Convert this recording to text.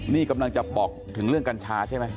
นี่กำลังจะบอกถึงเรื่องกัญชาใช่ไหม